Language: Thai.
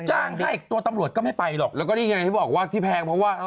จ้างให้ตัวตำรวจก็ไม่ไปหรอกแล้วก็นี่ไงที่บอกว่าที่แพงเพราะว่า